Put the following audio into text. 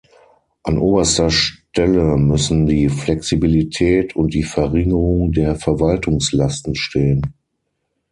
An oberster Stelle müssen die Flexibilität und die Verringerung der Verwaltungslasten stehen.